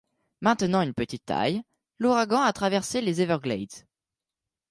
Maintenant une petite taille, l'ouragan a traversé les Everglades.